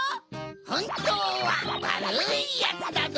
ほんとうはわるいヤツだぞ